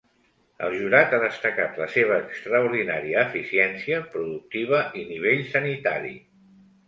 El jurat ha destacat la seva extraordinària eficiència productiva i nivell sanitari.